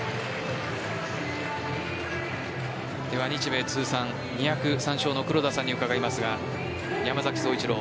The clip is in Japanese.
日米通算２０３勝の黒田さんに伺いますが山崎颯一郎